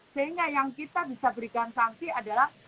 sehingga yang kita bisa berikan sanksi adalah